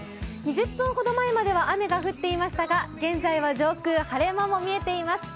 ２０分ほど前までは雨が降っていましたが、現在は上空、晴れ間も見えています。